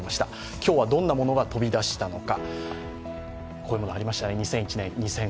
今日はどんなものが飛び出したのか。